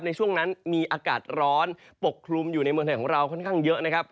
ในช่วงนั้นมีอากาศร้อนปกคลุมอยู่ในเมืองไทยของเราค่อนข้างเยอะนะครับ